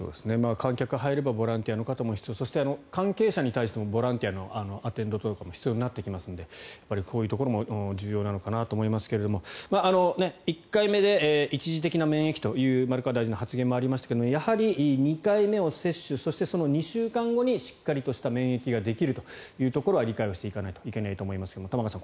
観客が入ればボランティアの方もそして、関係者に対してもボランティアのアテンドとかも必要になってきますのでこういうところも重要なのかなと思いますが１回目で一時的な免疫という丸川大臣の発言もありましたがやはり２回目を接種そして、その２週間後にしっかりとした免疫ができるというところは理解をしていかないといけないと思いますが玉川さん